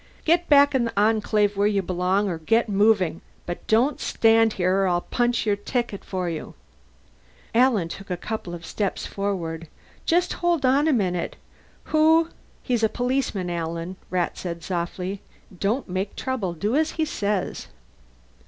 "Get back in the Enclave where you belong, or get moving, but don't stand here or I'll punch your ticket for you." Alan took a couple of steps forward. "Just hold on a minute. Who " "He's a policeman, Alan," Rat said softly. "Don't make trouble. Do as he says."